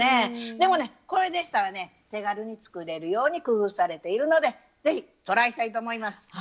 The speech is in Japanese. でもねこれでしたらね手軽に作れるように工夫されているので是非トライしたいと思います。